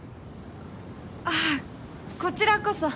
ああこちらこそ。